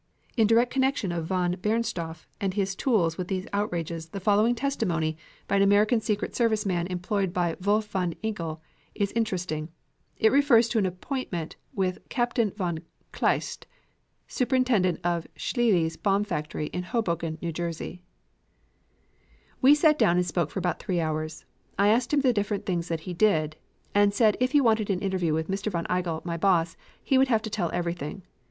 In direct connection of von Bernstorff and his tools with these outrages the following testimony by an American secret service man employed by Wolf von Igel is interesting. It refers to an appointment with Captain von Kleist, superintendent of Scheele's bomb factory in Hoboken, N. J. "We sat down and we spoke for about three hours. I asked him the different things that he did, and said if he wanted an interview with Mr. von Igel, my boss, he would have to tell everything.